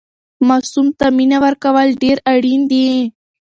ماسوم ته مینه ورکول ډېر اړین دي.